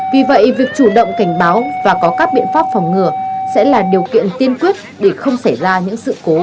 vì vậy việc chủ động cảnh báo và có các biện pháp phòng ngừa sẽ là điều kiện tiên quyết để không xảy ra những sự cố